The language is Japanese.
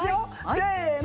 せの！